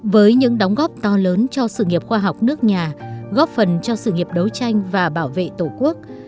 với những đóng góp to lớn cho sự nghiệp khoa học nước nhà góp phần cho sự nghiệp đấu tranh và bảo vệ tổ quốc